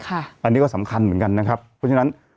อันนี้ก็สำคัญเหมือนกันนะครับเพราะฉะนั้น